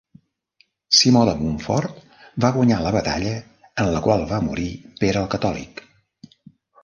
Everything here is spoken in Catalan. Simó de Montfort va guanyar la batalla, en la qual va morir Pere el Catòlic.